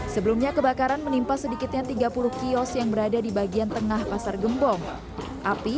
sebelumnya kebakaran menimpa sedikitnya tiga puluh kios yang berada di bagian tengah pasar gembong api